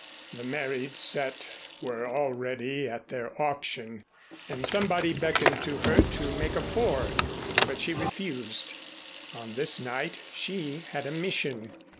The married set were already at their auction and somebody beckoned to her to make a four, but she refused. On this night she had a mission.